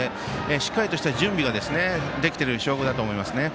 しっかりとした準備ができている証拠だと思いますね。